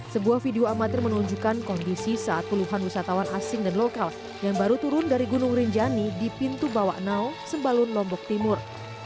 sebuah video amatir menunjukkan kondisi saat puluhan wisatawan asing dan lokal yang baru turun dari gunung rinjani di pintu bawak nao sembalun lombok timur